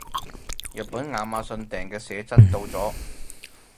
日本亞馬遜訂嘅寫真到咗